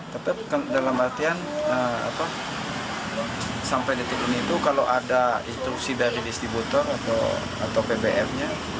tetap dalam artian sampai detik ini itu kalau ada instruksi dari distributor atau pbf nya